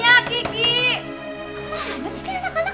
mana sih dia anak anak